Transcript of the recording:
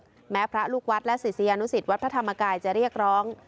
แม้พระลูกวัดและศิษยานุสิตวัดพระธรรมกายจะเรียกร้อง